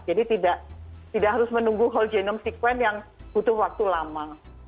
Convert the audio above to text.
jadi tidak harus menunggu whole genome sequence yang butuh waktu lama